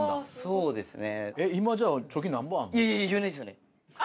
そうですね。